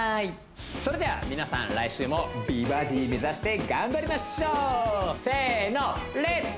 それでは皆さん来週も美バディ目指して頑張りましょうせのレッツ！